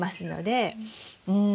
うん